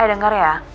eh denger ya